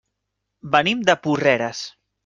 Venim de Porreres.